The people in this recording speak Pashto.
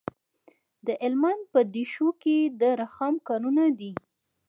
د هلمند په دیشو کې د رخام کانونه دي.